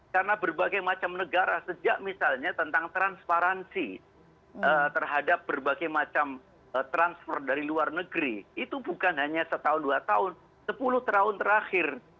karena berbagai macam negara sejak misalnya tentang transparansi terhadap berbagai macam transfer dari luar negeri itu bukan hanya setahun dua tahun sepuluh tahun terakhir